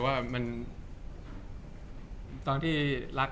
จากความไม่เข้าจันทร์ของผู้ใหญ่ของพ่อกับแม่